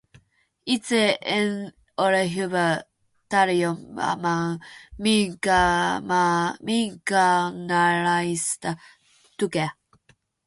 Itse en ole hyvä tarjoamaan minkäänlaista tukea;